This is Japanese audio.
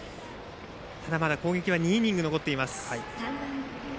ただ、まだ攻撃は２イニング残っています。